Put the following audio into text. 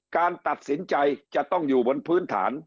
การตัดสินใจจะต้องอยู่บนพื้นฐาน